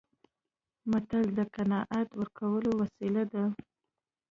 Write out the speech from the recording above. متل د قناعت ورکولو وسیله ده